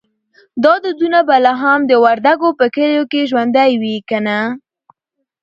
دا دودونه به لا هم د وردګو په کلیو کې ژوندی وي که نه؟